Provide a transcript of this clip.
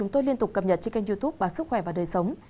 tôi liên tục cập nhật trên kênh youtube báo sức khỏe và đời sống